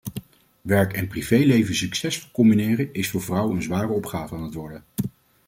Werk- en privéleven succesvol combineren is voor vrouwen een zware opgave aan het worden.